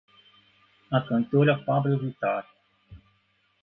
A cantora Pablo Vittar